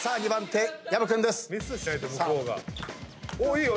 いいよ。